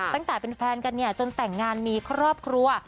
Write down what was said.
ตั้งแต่เป็นแฟนกันเนี่ยจนแต่งงานมีครอบครัว